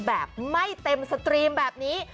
แบบไม่เต็มสตรีมแบบนี้